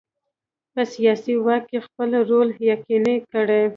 په سیاسي واک کې خپل رول یقیني کړي.